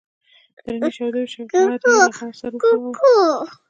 درنې چاودنې وسوې غر يې له غره سره وښوراوه.